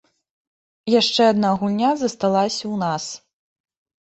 Яшчэ адна гульня засталася ў нас.